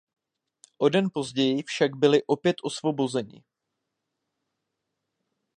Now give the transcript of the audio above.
O den později však byli opět osvobozeni.